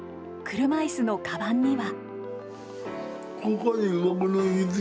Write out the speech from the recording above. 車いすのかばんには。